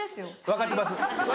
分かってます。